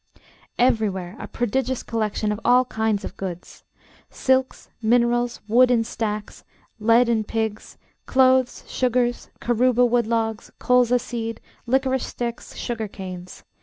Everywhere a prodigious collection of all kinds of goods: silks, minerals, wood in stacks, lead in pigs, cloths, sugars, caruba wood logs, colza seed, liquorice sticks, sugar canes.